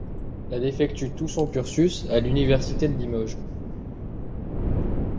Elle effectue tout son cursus à l'université de Limoges.